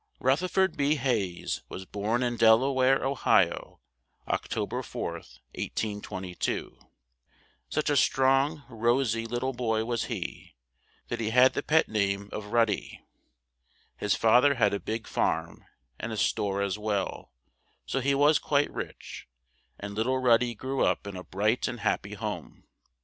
Ruth er ford B. Hayes was born in Del a ware, O hi o, Oc to ber 4th, 1822; such a strong, ro sy lit tle boy was he, that he had the pet name of "Rud dy;" his fa ther had a big farm and a store as well, so he was quite rich, and lit tle Rud dy grew up in a bright and hap py home.